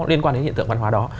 liên quan đến hiện tượng văn hóa đó